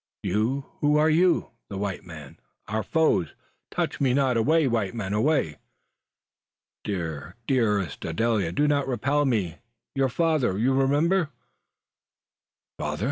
"You! Who are you? The white men; our foes! Touch me not! Away, white men! away!" "Dear, dearest Adele! do not repel me me, your father! You remember " "My father!